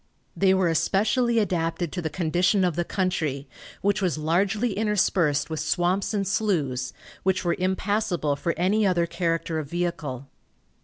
They were especially adapted to the condition of the country, which was largely interspersed with swamps and sloughs, which were impassable for any other character of vehicle.